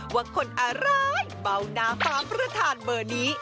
ว่าคนอะไรเบาหน้าฟ้าประธานเบอร์นี้